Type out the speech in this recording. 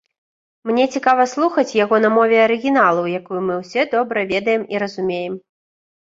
Мне цікава слухаць яго на мове арыгіналу, якую мы ўсе добра ведаем і разумеем.